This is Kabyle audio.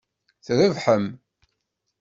Trebḥem.